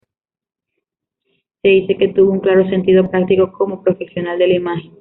Se dice que tuvo un claro sentido práctico como profesional de la imagen.